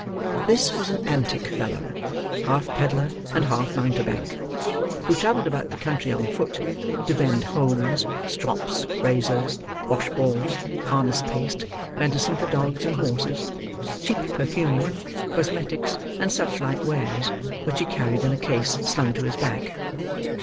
This was an antic fellow, half pedlar and half mountebank, who travelled about the country on foot to vend hones, strops, razors, washballs, harness paste, medicine for dogs and horses, cheap perfumery, cosmetics, and such like wares, which he carried in a case slung to his back.